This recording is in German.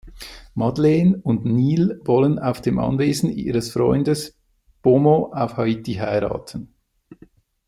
Madeleine und Neil wollen auf dem Anwesen ihres Freundes Beaumont auf Haiti heiraten.